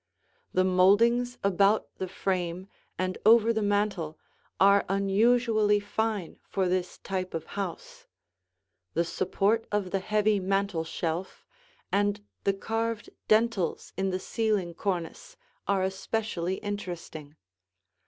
The moldings about the frame and over the mantel are unusually fine for this type of house; the support of the heavy mantel shelf and the carved dentils in the ceiling cornice are especially interesting.